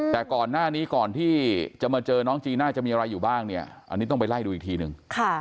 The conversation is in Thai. แต่ก่อนหน้านี้ก่อนที่จะมาเจอน้องจีน่าจะมีอะไรอยู่บ้างเนี่ยอันนี้ต้องไปไล่ดูอีกทีหนึ่ง